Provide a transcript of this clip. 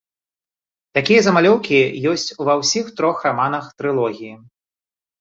Такія замалёўкі ёсць ува ўсіх трох раманах трылогіі.